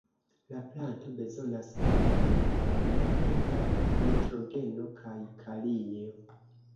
La planto bezonas grundon kun multe da nitrogeno kaj kalio.